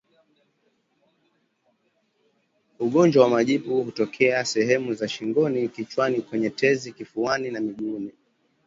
Ugonjwa wa majipu hutokea sehemu za shingoni kichwani kwenye tezi kifuani na miguuni